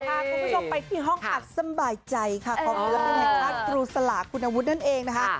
พาคุณผู้ชมไปที่ห้องอัดสบายใจค่ะของศิลปินแห่งชาติครูสลาคุณวุฒินั่นเองนะคะ